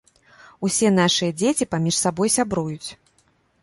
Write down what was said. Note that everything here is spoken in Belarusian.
Усе нашыя дзеці паміж сабой сябруюць.